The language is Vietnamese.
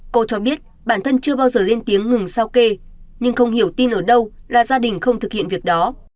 cô cho biết bản thân chưa bao giờ lên tiếng ngừng giao kê nhưng không hiểu tin ở đâu là gia đình không thực hiện việc đó